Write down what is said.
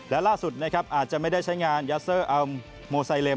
และล่าสุดนะครับอาจจะไม่ได้ใช้งานยาเซอร์อัมโมไซเลม